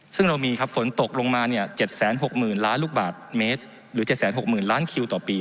ซึ่งเรามีครับฝนตกลงมา๗๖๐๐๐ล้านลูกบาทเมตรหรือ๗๖๐๐๐ล้านคิวต่อปี